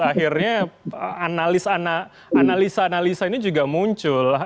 akhirnya analisa analisa ini juga muncul